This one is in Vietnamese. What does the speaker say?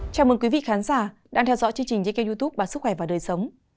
chào mừng quý vị khán giả đang theo dõi chương trình youtube và sức khỏe và đời sống